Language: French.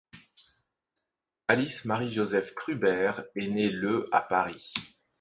Alice Marie Josèphe Trubert est née le à Paris.